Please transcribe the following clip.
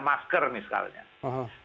masker nih sekalian